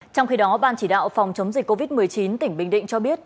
trong khi đó ban chỉ đạo phòng chống dịch covid một mươi chín tỉnh bình định cho biết